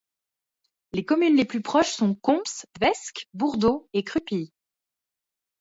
Les communes les plus proches sont Comps, Vesc, Bourdeaux et Crupies.